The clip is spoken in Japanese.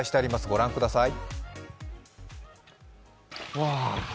御覧ください。